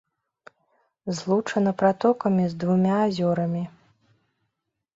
Злучана пратокамі з двума азёрамі.